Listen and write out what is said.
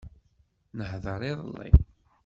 Nehḍeṛ idelli.